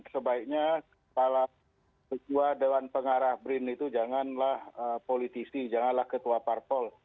sebaiknya kepala ketua dewan pengarah brin itu janganlah politisi janganlah ketua parpol